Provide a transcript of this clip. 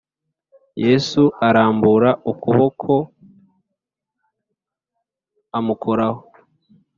Yesu arambura ukuboko amukoraho.